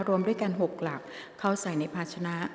รวมด้วยกัน๖หลักเข้าใส่ในภาชนะ